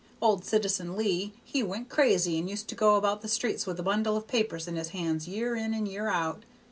Old Citizen Leigh he went crazy, and used to go about the streets with a bundle of papers in his hands year in and year out.